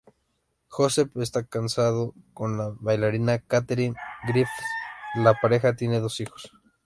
Josef está casado con la bailarina Katherine Griffiths, la pareja tiene dos hijos.